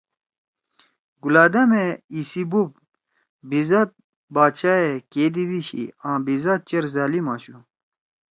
گلادامے ایسی بوب بیزات باچا یے کے دیدی شی آں بیذات چیر ظالم آشُو۔